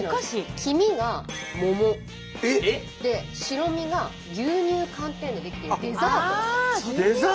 黄身が桃で白身が牛乳寒天で出来ているデザートです。